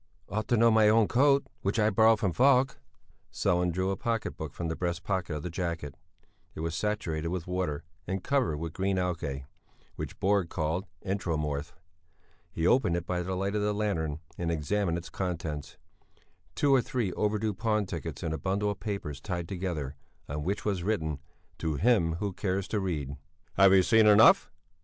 "Ought to know my own coat which I borrowed from Falk." Sellén drew a pocket book from the breast pocket of the jacket, it was saturated with water and covered with green algæ, which Borg called enteromorph. He opened it by the light of the lantern and examined its contents two or three overdue pawn tickets and a bundle of papers tied together, on which was written: To him who cares to read. "Have you seen enough?"